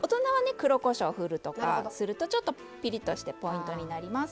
黒こしょうをふるとかするとちょっとピリッとしてポイントになります。